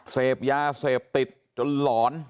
เสพยาเสพติดจนหลอน